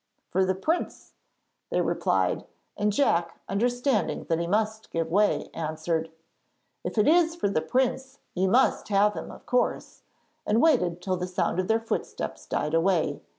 'For the Prince,' they replied; and Jack, understanding that he must give way, answered: 'If it is for the Prince, you must have him of course,' and waited till the sound of their footsteps died away.